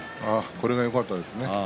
これがよかったですね。